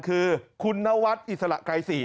คือคุณนวัดอิสระไกรศรี